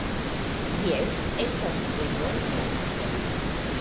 Jes, estas tre bone farite